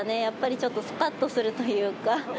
やっぱりちょっとすかっとするというか。